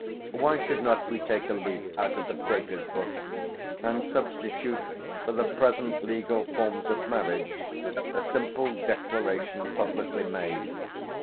Why should not we take a leaf out of the Quakers' book, and substitute for the present legal forms of marriage a simple declaration publicly made?